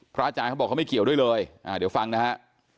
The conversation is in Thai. อาจารย์เขาบอกเขาไม่เกี่ยวด้วยเลยเดี๋ยวฟังนะฮะ